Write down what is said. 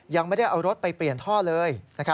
ยังไม่ได้เอารถไปเปลี่ยนท่อเลย